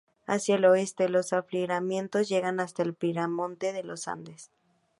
Hacia el oeste, los afloramientos llegan hasta el piedemonte de los Andes.